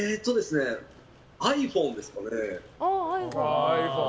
ｉＰｈｏｎｅですかね。